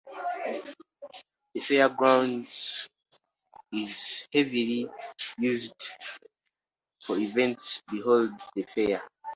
The fairgrounds is heavily used for events beyond the Fair.